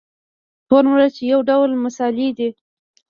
تور مرچ یو ډول مسالې دي